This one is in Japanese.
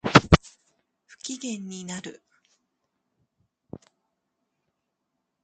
不機嫌になる